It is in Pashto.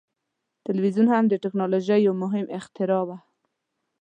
ټلویزیون هم د ټیکنالوژۍ یو مهم اختراع وه.